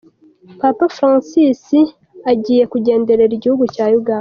Papa Francis I agiye kugenderera igihugu cya Uganda.